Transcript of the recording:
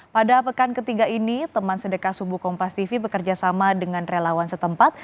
pada pekan ketiga ini teman sedekah subuh kompas tv bekerjasama dengan relawan setempat